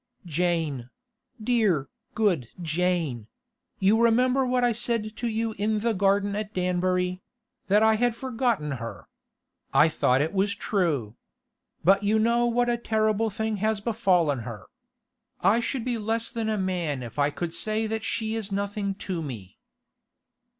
'Jane—dear, good Jane—you remember what I said to you in the garden at Danbury—that I had forgotten her. I thought it was true. But you know what a terrible thing has befallen her. I should be less than a man if I could say that she is nothing to me.